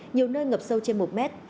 nhiều nơi ngập sâu trên một mét